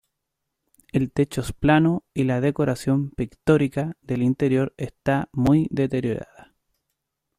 El techo es plano y la decoración pictórica del interior está muy deteriorada.